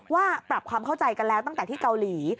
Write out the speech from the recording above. ว่าปรับความเข้าใจกันแล้วตั้งแต่ที่เกาหลี